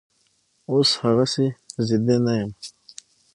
اوس هغسې ضدي نه یم